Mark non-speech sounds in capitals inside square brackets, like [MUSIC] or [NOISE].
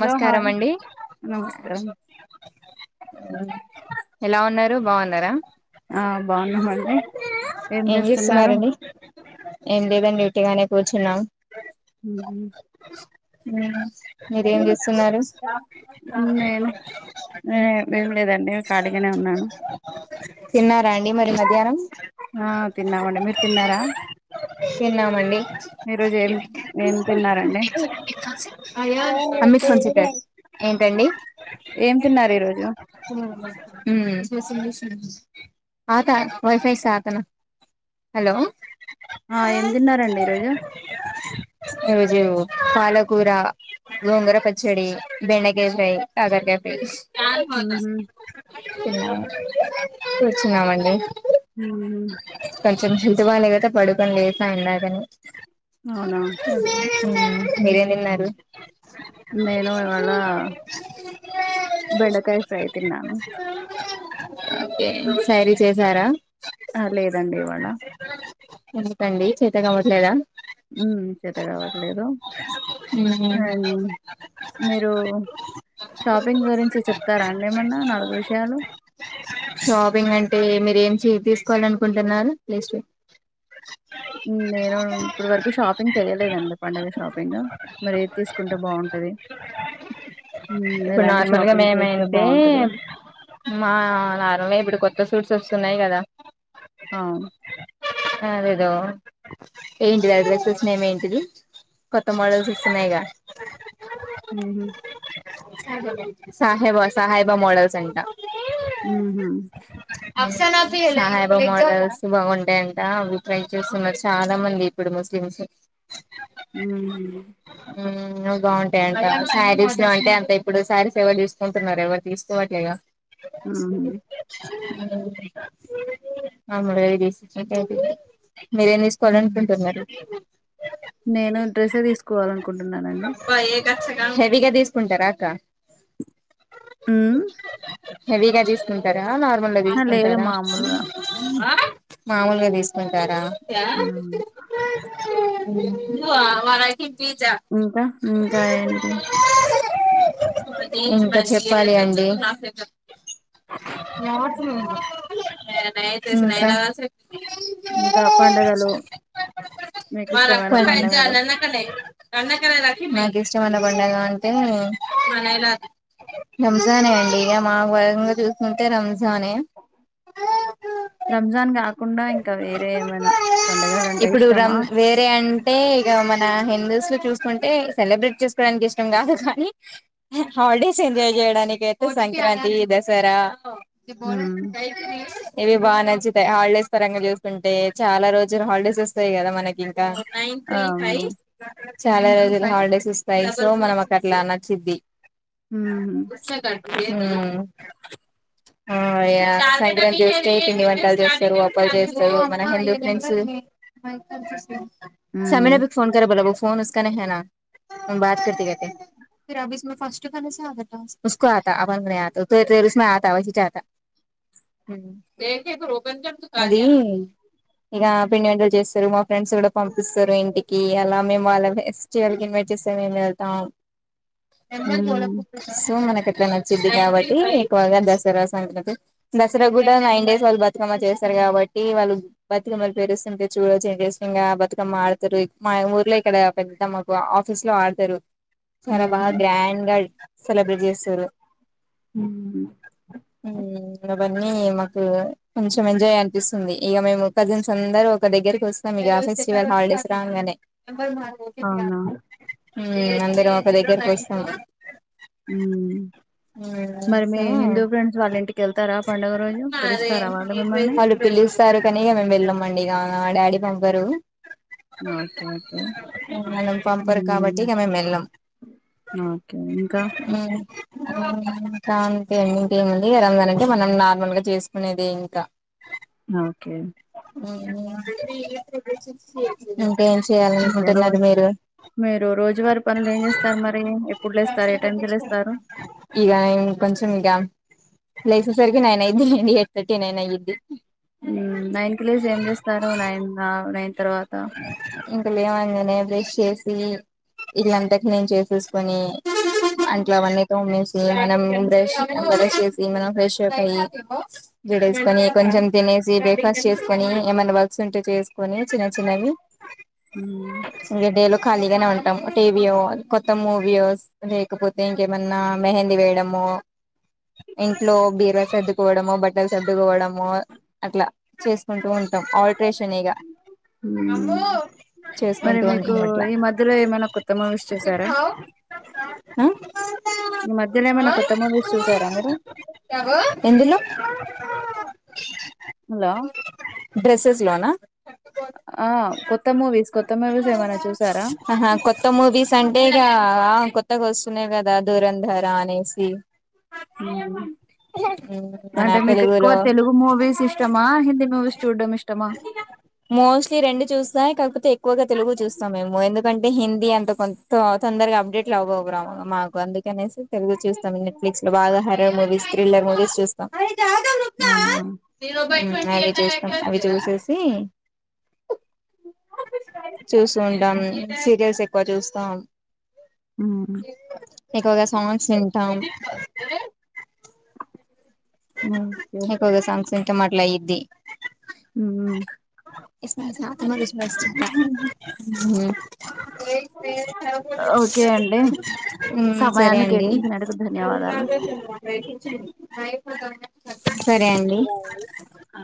Hello hi అండి నమస్కారం ఎలా ఉన్నారు బాగున్నార ఆ బాగున్నామండి ఏం చేస్తున్నారండి ఏం లేదండి ఉట్టిగానే కూర్చున్నాం హు మీరేం చేస్తున్నారు ఏమి లేదండి ఖాళీగనే ఉన్నాను తిన్నారాండి మరి మధ్యానం ఆ తిన్నామండి మీరు తిన్నామండి ఈరోజ ఏం ఏం తిన్నారండి [UNINTELLIGIBLE] ఏంటండి ఏం తిన్నారు ఈరోజు హలో ఆ ఏం తిన్నారండి ఈరోజు ఈరోజు పాలకూర గోంగూర పచ్చడి బెండకాయ ఫ్రై కాకరకాయ ఫ్రై [UNINTELLIGIBLE] కుర్చున్నామండి కొంచెం హెల్త్ బాలేదు కదా పడుకొని లెస్నా ఇందాకనే అవునా మీరేం తిన్నారు నేను ఇవాళ బెండకాయ్ ఫ్రై తిన్నాను ఓకే సరీ చేసార ఆ లేదండి ఇవాళ ఏంటండీ చేత కావట్లేదా ఉ చేత కావట్లేదు మ్మ్ మీరు షాపింగ్ గురించి చెప్తార అండి ఏమన్నా నాలుగు విషయాలు షాపింగ్ అంటే మీరు ఏం తీసుకోవాల అనుకుంటున్నారు లిస్ట్ నేను ఇప్పడు వరకు షాపింగ్ చెయలేదండి పండుగ షాపింగ్ మరి ఏది తీసుకుంటే బాగుంటది ఇప్పుడు ఎలాంటి నార్మల్ గా షాపింగ్ చేస్తే మేమైతే బాగుంటది మా నార్మల్ గా ఇప్పుడు కొత్త సూట్స్ వస్తున్నాయి కదా ఆ అ లేేదో ఏంటిది అడ్రెసెస్ నేమ్ ఏంటిది కొత్త మోడల్స్ వస్తున్నాయి గ హు హు సాహెబ సాహెబ మోడల్స్ అంట హు హు సాహేబ మోడల్స్ బాగుంటాయంట అవి ట్రై చేస్తున్నారు చాల మంది ఇప్పుడు ముస్లి మ్స్ హుహు. బాగుంటాయంట శారీస్ లో అంటే అంత ఇప్పుడు శారీస్ ఎవరు తీసుకుంటున్నారు ఎవరు తీసుకోవట్లే గా హుహు. [UNINTELLIGIBLE] మీరేం తీసుకోవాల హ్మ్. అనుకుంటున్నారు నేను డ్రెస్ తీసుకోవాలనుకుంటున్నానండి హెవీగా తీసుకుంటారా అక్క ఆ హెవీగా తీసుకుంటారా నార్మల్ గా లేదు తీసుకుంటారా మామూలుగా. మామూలుగా తీసుకుంటారా హ్మ్. వా మరి ఐతే పీచ్ ఇంకా ఇంకా ఏంటి ఇంకా చెప్పాలి అండి నిన్న హ్మ్. నైట్ నేను రాసి ఇంకా పండగలు మీకిష్టమైన పండగలు? [UNINTELLIGIBLE] నాకు ఇష్టమైన పండగా అంటే రంజానే అండి ఇక మా భాగంగా చూసుకుంటే రంజాన్ తానే కాకుండా ఇంకా వేరే ఏమైనా పండగలంటే ఇప్పుడు రం ఇష్టమా వేరే అంటే ఇగ మన హిందూస్ లో చూసుకుంటే సెలబ్రేట్ చేసుకోవడానికి ఇష్టం కాదు కానీ హా హాలిడేస్ ఎంజాయ్ చేయడానికి అయితే సంక్రాంతి, దసరా హ్మ్. ఇవి బాగా నచ్చుతాయి హాలిడేస్ ఈ పరంగా చూస్తుంటే చాలా రోజులు హాలిడేస్ వస్తాయి కదా మనకి ఇంకా అవును. చాలా రోజులు హాలిడేస్ వస్తాయి సో మనం అ అట్లా నచ్చిద్ది హుహు. ఉ ఆ ఇగ సంక్రాంతి వస్తే పిండి వంటలు చేస్తారు హ్మ్. [UNINTELLIGIBLE] మా బాత్ కతే కతే [UNINTELLIGIBLE] ఉ అది ఇక పిండి వంటలు చేస్తారు మా ఫ్రెండ్స్ కూడా పంపిస్తారు ఇంటికి అలా మేము వాళ్ళ ఫెస్టివల్ కి ఇన్వైట్ చేస్తే వెళ్తాం హ్మ్ సో మనకి ఇడ నచ్చిద్ది కాబట్టి ఎక్కువగా దసరా సంగతి దసరా కూడా నైన్ డేస్ వాళ్ళు బతుకమ్మ చేస్ తారు కాబట్టి వాళ్ళు బతుకమ్మలు పేరుస్తుంటే చూడొచ్చు చేస బతుకమ్మ ఆడతారు మా ఊర్లో ఇక్కడ పెద్ద మాకు ఆఫీస్ లో ఆడతారు చాలా బాగా హ్మ్ గ్రాండ్ గా సెలబ్రేట్ చేస్తారు హ్మ్ అవన్నీ మాకు కొంచం ఎంజాయ్ అనిపిస్తుంది ఇగ మేము కజిన్స్ అందరుూ ఒక దగ్గరకి వస్తాం ఇక ఫెస్టివల్ హాలిడేస్ రాంగానే అవునా ఉ అందరం ఒక దగ్గర కలుస్తాము ఉ మరి మీ హిందూ సో ఫ్రెండ్స్ వాళ్ళ ఇంటికి వెళ్తారా పండుగ రోజు అదే పిలుస్తారా వా వాళ్ళు పిలుస్తారు కానీ మేము వెళ్ళమండి ఇగ డాడీ పబారు ఓకే ఓకే మనం ఉ పంపరు కాబట్టి ఇక మేము వెళ్ళాం ఓకే ఇంకా ఇంకా అంతే ఇంకేమండి రంజాని అంటే మనం నార్మల్ గా చేసుకునేది ఇంకా ఓకే ఇంకేం ఇంకా రో చేయాలనుకుంటున్నారు మీరు మీరు రోజువారి పనులు ఏం చేస్తారు మరి ఎప్పుడు లేస్తారు ఏ టైమ్ కి లేస్తారు ఇగ ఇన్ కొంచెం ఇ లైసెన్స్ వరకు నైన అండి ఎయిట్ తథర్టీ నైన్ అయిద్ది ఉ నైన్ కి లేసి ఏం చేస్తారు నైన్ నైన్ తర్వాత ఇంక లేవంగానే బ్రష్ చేసి ఇల్లంత క్లీన్ చేసేసుకుని అట్లు అవన్నీ తోమేస్ మనం బ్రష్ బ్రష్ చేసి మనం ఫ్రెష్ అయి జడ ఎసుకొని కొంచెం తిని బ్రేక్ ఫాస్ట్ చేసుకొని ఏమైన్నా వర్క్స్ ఉంటే చేసుకని చిన్న చిన్నవి ఉమ్ ఇంక డే లో ఖాళీగానే ఉంటాం. టీవీయో కొత్త మూవీయోస్ లేకపోతే ఇంకేమన్నా మెహందీ వేయడ మో ఇంట్లో బీరవా సర్దుకోవడము బట్టలు సర్దుకోవడము అట్లా చేసుకుంటూ ఉంటాం ఆల్ట్రేషన్ ఇగ ఉమ్ మరి చేసుకుంటూ మీకు ఉంటాం అట్లా ఈ మధ్యలో ఏమైనా కొత్త మూవీస్ చూసారా ఉమ్ ఈ మధ్యలో ఏమైనా కొత్త మూవీస్ చూసారా మీరు ఎందులో హలో డ్రెస్సెస్ లోనా ఆ కొత్త మూవీస్ కొత్త మూవీస్ ఏమైనా చూసారా ఆహా కొత్త మూవిస్ అంటే ఇగ కొత్త కొత్తగా వస్తున్నాయి కదా దూరం ధర అనేసి ఉమ్ మన అంటే మీకు ఎక్కువ తెలుగులో తెలుగు మూవీస్ ఇష్టమా హిందీ మూవీస్ చూడడం ఇష్టమా మోస్ట్లీ రెండు చూస్తా కాకపోతే ఎక్కువగా తెలుగు చూస్తాం మేము ఎందుకంటే హిందీ అంత కొంత తొందరగా అప్డేట్ రావ్ రావు మాకు అందుకనేసి తెలుగు చూస్తాం నెట్ ఫ్లిక్స్ లో బాగా హార్రర్ మూవీస్ విళ్ళ మూవీస్ చూస్తాం అ అవునా అవి చూస్తాం అవి చూసేసి చూస్తుంటాం. సీరియల్స్ ఎక్కువ చూస్తాం హ్మ్. ఎక్కువగా సాంగ్స్ వింటాం ఓకే ఎక్కువగా సాంగ్స్ వింటాం అట్లా అయింది హ్మ్. ఉమ్ ఓకే అండి ఉమ్ సరే సమయాన్ని అండి కేటాయించినందుకు ధన్యవాదాలు సరే అండి ఆ